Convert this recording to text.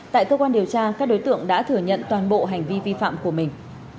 tại cơ quan điều tra các đối tượng đã thừa nhận toàn bộ hành vi vi phạm của mình